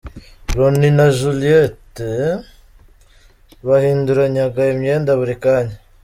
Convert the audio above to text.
Ronnie na Juliet bahinduranyaga imyenda buri kanya.